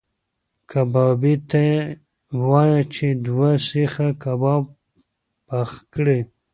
کبابي ته وایه چې دوه سیخه کباب پخ کړي.